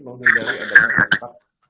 menghindari adanya masak